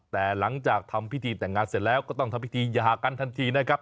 แต่หลังจากทำพิธีแต่งงานเสร็จแล้วก็ต้องทำพิธีหย่ากันทันทีนะครับ